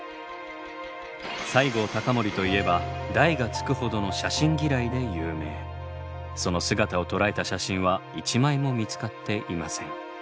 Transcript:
西郷隆盛といえば大がつくほどのその姿を捉えた写真は１枚も見つかっていません。